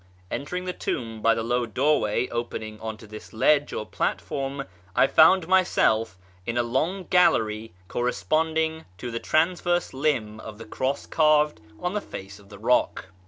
Entering the tomb by the low doorway opening on to this ledge or platform, I found myself in a long gallery correspond ing to the transverse limb of the cross carved on the face of the rock.